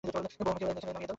বোহ, আমাকে এখানে নামিয়ে দাও!